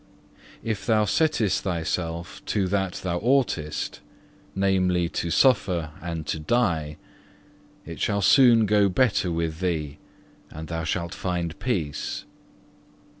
12. If thou settest thyself to that thou oughtest, namely, to suffer and to die, it shall soon go better with thee, and thou shalt find peace.